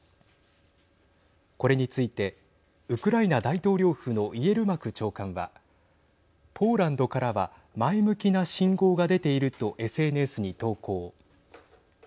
これについてウクライナ大統領府のイエルマク長官はポーランドからは前向きな信号が出ているとＳＮＳに投稿。